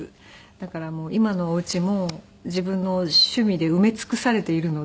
だから今のお家も自分の趣味で埋め尽くされているので。